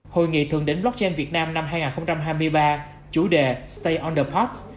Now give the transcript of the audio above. hội nghị thượng đếm blockchain việt nam năm hai nghìn hai mươi ba chủ đề stay on the pops